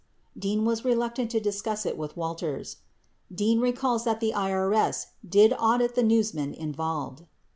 (Dean was reluctant to discuss it with Walters.) Dean recalls that the IBS did audit the newsman involved.